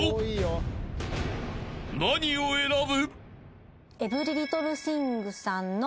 ［何を選ぶ？］